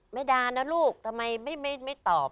ไม่ด่านะลูกทำไมไม่ตอบ